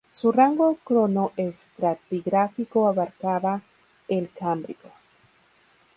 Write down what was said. Su rango cronoestratigráfico abarcaba el Cámbrico.